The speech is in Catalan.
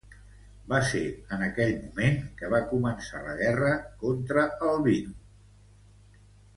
Va ser en aquell moment que va començar la guerra contra Albino.